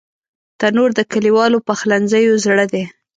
تنور د کلیوالو پخلنځیو زړه دی